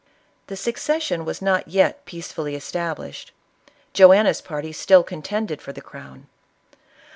The succession was not yet peacefully established. Joanna's party still contended for the crown.